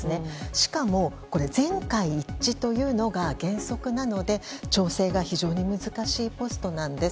しかも全会一致というのが原則なので調整が非常に難しいポストなんです。